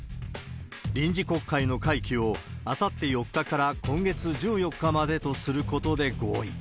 臨時国会の会期をあさって４日から今月１４日までとすることで合意。